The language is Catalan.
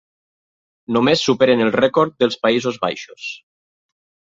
Només superen el rècord dels Països Baixos.